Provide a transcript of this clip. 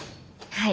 はい。